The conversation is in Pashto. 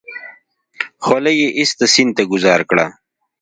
خولۍ يې ايسته سيند ته گوزار کړه.